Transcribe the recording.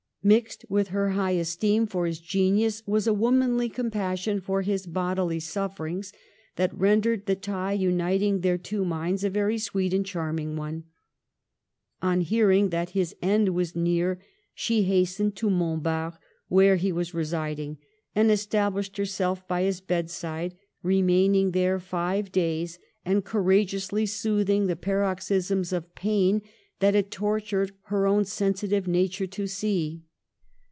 Mixed with her high esteem for his genius was a womanly compassion for his bodily sufferings that rendered the tie uniting their two minds a very sweet and charming one. On hearing that his end was near, she hastened to Montbard, where he was residing, and established herself by his bedside, remaining there five days, and cour Digitized by VjOOQIC l6 MADAME DE STAML. ageously soothing the paroxysms of pain that it tortured her own sensitive nature to see.